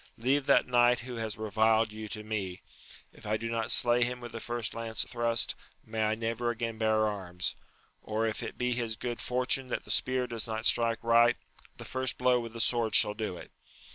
Leave that knight who has reviled you to me : If I do not slay him with the first lance thrust, may I never again bear arms ! or if it be his good fortune that the spear does not strike right, the first blow with the sword shall do it.